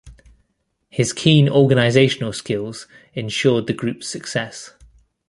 His keen organizational skills ensured the group's success.